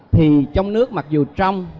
thì trong nước mặc dù trong